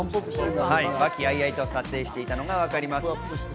和気あいあいと撮影していたのがわかります。